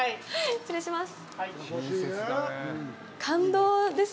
失礼します。